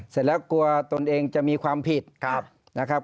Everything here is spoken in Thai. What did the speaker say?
เสร็จแล้วกลัวตนเองจะมีความผิดนะครับ